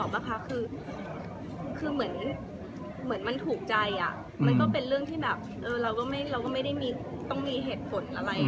ป่ะคะคือเหมือนมันถูกใจมันก็เป็นเรื่องที่แบบเราก็ไม่ได้ต้องมีเหตุผลอะไร